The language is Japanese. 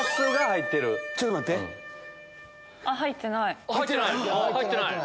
入ってない。